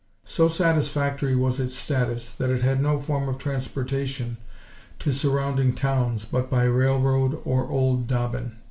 So satisfactory was its status that it had no form of transportation to surrounding towns but by railroad, or "old Dobbin."